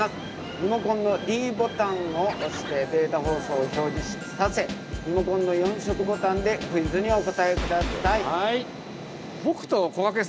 リモコンのｄボタンを押してデータ放送を表示させリモコンの４色ボタンでクイズにお答え下さい。